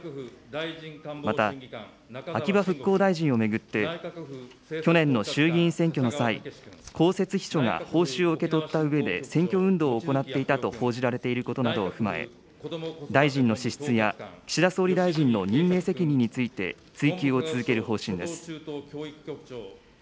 また、秋葉復興大臣を巡って、去年の衆議院選挙の際、公設秘書が報酬を受け取ったうえで選挙運動を行っていたと報じられていることなどを踏まえ、大臣の資質や岸田総理大臣の任命責任について追及を続ける方針です。